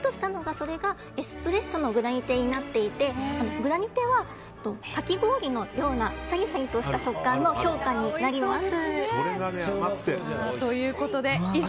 それがエスプレッソのグラニテになっていてグラニテは、かき氷のようなシャリシャリとした食感の氷菓になります。